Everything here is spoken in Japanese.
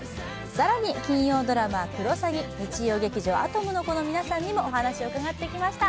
更に金曜ドラマ「クロサギ」、日曜劇場「アトムの童」の皆さんにもお話を伺ってきました。